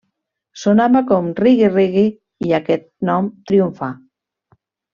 Sonava com 'reggae, reggae' i aquest nom triomfà.